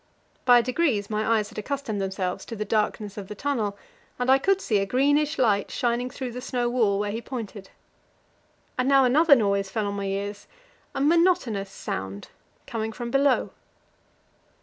By degrees my eyes had accustomed themselves to the darkness of the tunnel, and I could see a greenish light shining through the snow wall where he pointed. And now another noise fell on my ears a monotonous sound coming from below.